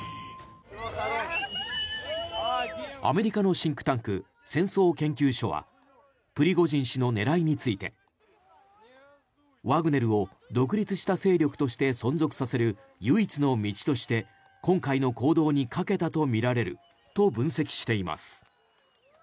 アメリカのシンクタンク戦争研究所はプリゴジン氏の狙いについてワグネルを独立した勢力として存続させる唯一の道として今回の行動にかけたとみられると分析しています。